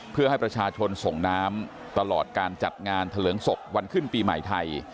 เพื่อให้ประชาชนส่งน้ำตลอดการจัดงานเถลิงศพวันขึ้นปีใหม่ไทย